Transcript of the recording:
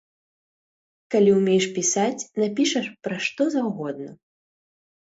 Калі ўмееш пісаць, напішаш пра што заўгодна.